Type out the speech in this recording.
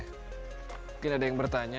mungkin ada yang bertanya